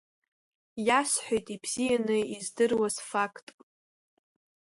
Иасҳәеит ибзианы издыруаз фактк.